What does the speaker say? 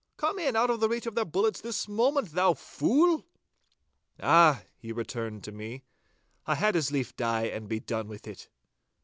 Come in out of reach of their bullets this moment, thou fool!' 'Ah,' he returned to me, 'I had as lief die and be done with it.